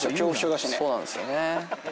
そうなんですよね。